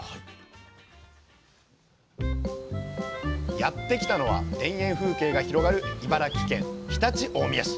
やって来たのは田園風景が広がる茨城県常陸大宮市。